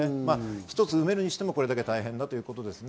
１つ埋めるにしてもこれだけ大変だということです。